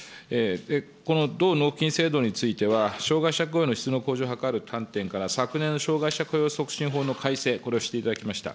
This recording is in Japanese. この制度については障害者雇用の質の向上を図る観点から昨年、障害者雇用促進法の改正、これをしていただきました。